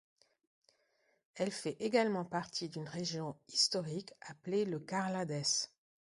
Elle fait également partie d'une région historique appelée le Carladès.